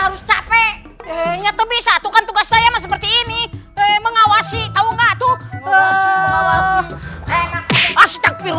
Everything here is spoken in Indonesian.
harus capek nyatebisa kan tugas saya seperti ini mengawasi tau gak tuh